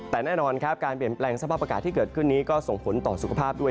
แต่แน่นอนครับการเปลี่ยนแปลงสภาพอากาศที่เกิดขึ้นนี้ก็ส่งผลต่อสุขภาพด้วย